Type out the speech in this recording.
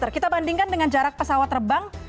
kita bandingkan dengan jarak pesawat terbang